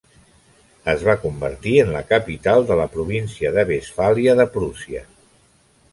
Es va convertir en la capital de la província de Westfàlia de Prússia.